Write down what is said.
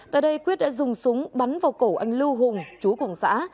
tại đây quyết đã dùng súng bắn vào cổ anh lưu hùng chú quảng xã